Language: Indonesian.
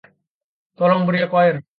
Tolong beri aku air.